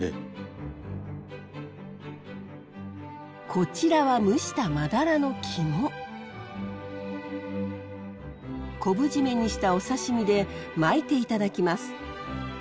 こちらは蒸した昆布締めにしたお刺身で巻いて頂きます。